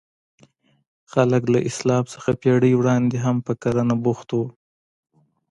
خلک له اسلام څخه پېړۍ وړاندې هم په کرنه بوخت وو.